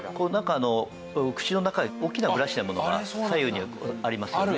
口の中に大きなブラシのようなものが左右にありますよね。